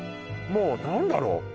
もう何だろう？